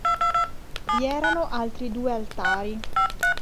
Vi erano altri due altari.